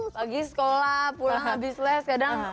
pagi sekolah pulang habis les kadang